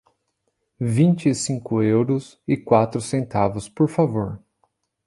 Vinte e cinco euros e quatro centavos, por favor.